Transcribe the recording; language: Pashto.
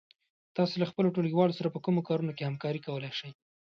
تاسو له خپلو ټولگيوالو سره په کومو کارونو کې همکاري کولای شئ؟